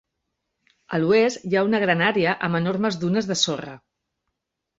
A l'oest hi ha una gran àrea amb enormes dunes de sorra.